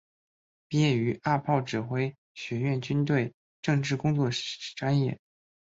毕业于二炮指挥学院军队政治工作专业。